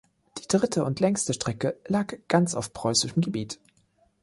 Die dritte und längste Strecke lag ganz auf preußischem Gebiet.